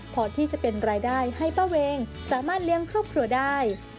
พอที่จะเป็นรายได้ให้ป้าเวงสามารถเลี้ยงครอบครัวได้